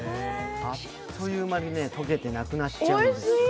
あっという間に溶けてなくなっちゃうんですよね。